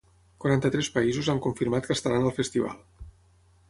Quaranta-tres països han confirmat que estaran al festival.